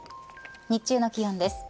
日中の気温です。